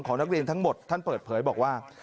นักเรียนทั้งหมดท่านเปิดเผยบอกว่า